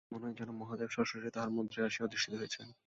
মনে হয় যেন মহাদেব সশরীরে তাঁহার মন্দিরে আসিয়া অধিষ্ঠিত হইয়াছেন।